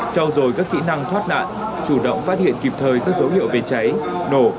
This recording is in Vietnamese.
trao dồi các kỹ năng thoát nạn chủ động phát hiện kịp thời các dấu hiệu về cháy nổ